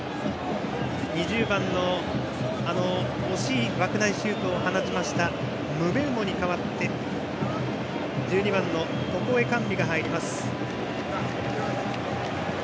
２０番の惜しい枠内シュートを放ちましたムベウモに代わって１２番のトコエカンビが入ります。